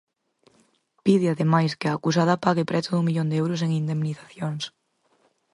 Pide, ademais, que a acusada pague preto dun millón de euros en indemnizacións.